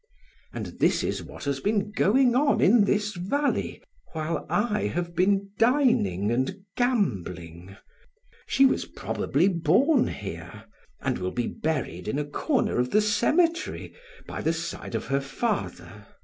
And this is what has been going on in this valley while I have been dining and gambling; she was probably born here, and will be buried in a corner of the cemetery, by the side of her father.